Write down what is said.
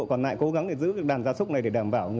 giá lợn hơi xuống thấp